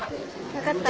分かった。